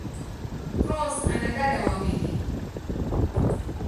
Cross ana dada wawili.